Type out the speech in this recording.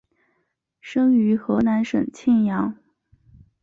生于河南省泌阳。